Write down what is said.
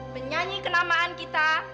penyanyi kenamaan kita